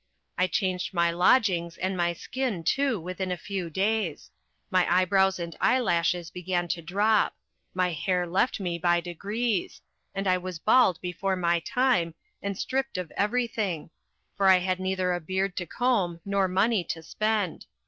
I changed my lodgings and my skin too within a few days. My eyebrows and eyelashes began to drop; my hair left me by degrees; and I was bald before my time, and stripped of everything; for I had neither a beard to comb nor money to spend.